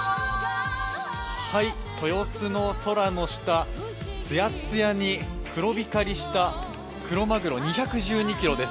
豊洲の空の下、つやつやに黒光りしたクロマグロ、２１２ｋｇです。